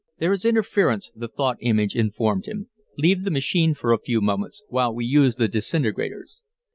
"There is interference," the thought image informed him. "Leave the machine for a few moments, while we use the disintegrators."